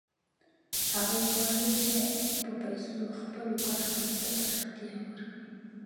هغوی غواړي چې په پیسو خپلو کارخانو ته پراختیا ورکړي